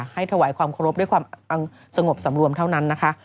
ถวายความเคารพด้วยความสงบสำรวมเท่านั้นนะคะ